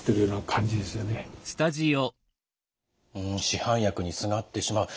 市販薬にすがってしまう。